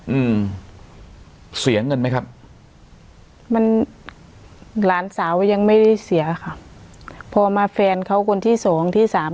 อืมเสียเงินไหมครับมันหลานสาวก็ยังไม่ได้เสียค่ะพอมาแฟนเขาคนที่สองที่สาม